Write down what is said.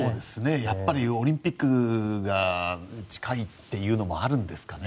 やっぱりオリンピックが近いというのもあるんですかね。